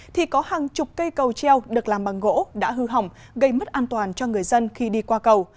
thì có hàng chục cây cầu treo được làm bằng gỗ đã hư hỏng gây mất an toàn cho người dân khi đi qua cầu